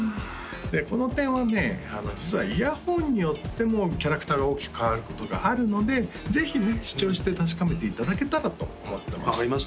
この点はね実はイヤホンによってもキャラクターが大きく変わることがあるのでぜひね試聴して確かめていただけたらと思ってます